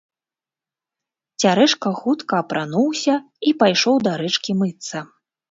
Цярэшка хутка апрануўся і пайшоў да рэчкі мыцца.